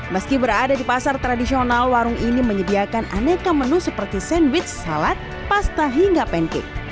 meski berada di pasar tradisional warung ini menyediakan aneka menu seperti sandwich salad pasta hingga pancake